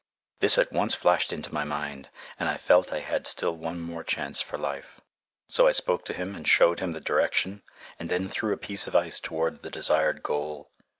This at once flashed into my mind, and I felt I had still one more chance for life. So I spoke to him and showed him the direction, and then threw a piece of ice toward the desired goal.